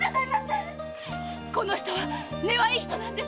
この人は根はいい人なんです。